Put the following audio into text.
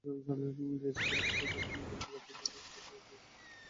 JSC পরীক্ষা শেষে এখন আবার বার্ষিকের বাকি বিষয়ের পরীক্ষাগুলো নেওয়া হচ্ছে।